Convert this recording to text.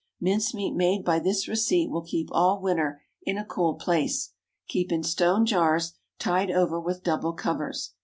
Mince meat made by this receipt will keep all winter in a cool place. Keep in stone jars, tied over with double covers.